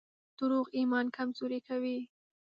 دروغ ایمان کمزوری کوي.